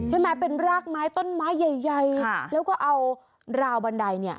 ใช่ไหมเป็นรากไม้ต้นไม้ใหญ่ใหญ่แล้วก็เอาราวบันไดเนี่ย